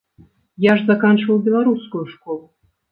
Я ж заканчваў беларускую школу.